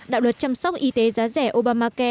đạo luật chăm sóc y tế giá rẻ obamacare